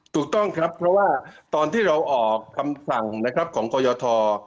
ถูกต้องครับเพราะว่าตอนที่เราออกคำสั่งนะครับของกรยท